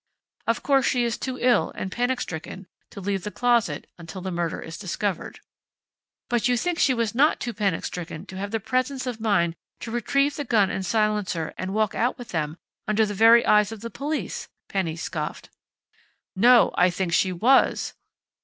Of course she is too ill and panic stricken to leave the closet until the murder is discovered " "But you think she was not too panic stricken to have the presence of mind to retrieve the gun and silencer and walk out with them, under the very eyes of the police," Penny scoffed. "_No! I think she was!